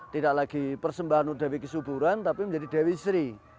tidak lagi persembahanudewi kesuburan tapi menjadi dewi sri